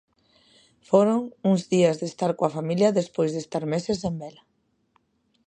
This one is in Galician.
Foron uns días de estar coa familia despois de estar meses sen vela.